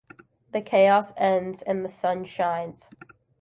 The chaos ends and the Sun shines.